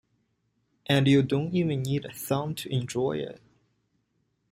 And you don't even need a thong to enjoy it.